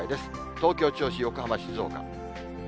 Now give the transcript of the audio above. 東京、銚子、横浜、静岡。